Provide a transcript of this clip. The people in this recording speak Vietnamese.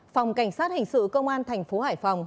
phòng cảnh sát hình sự công an thành phố hải phòng